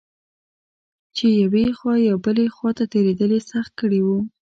چې یوې خوا یا بلې خوا ته تېرېدل یې سخت کړي و.